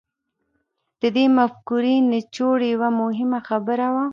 د دې مفکورې نچوړ يوه مهمه خبره وه.